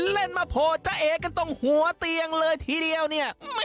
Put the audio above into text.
เล่นมาโผล่จะเอกันตรงหัวเตียงเลยทีเดียวเนี่ย